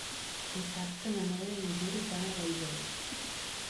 Dissabte na Neida i en Gil van a Bellvei.